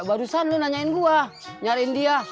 barusan lu nanyain gue nyariin dia